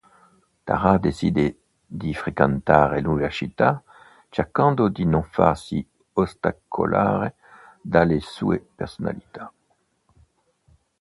Tara decide di frequentare l'università, cercando di non farsi ostacolare dalle sue personalità.